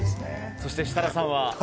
そして、設楽さんは？